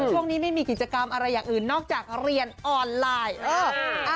ช่วงนี้ไม่มีกิจกรรมอะไรอย่างอื่นนอกจากเรียนออนไลน์